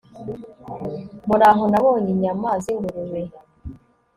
muraho nabonye inyama zingurube